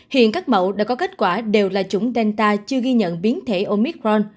hiện các mẫu đã có kết quả đều là chủng delta chưa ghi nhận biến thể omicron